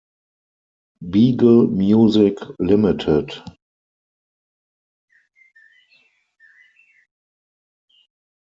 Beagle Music Ltd.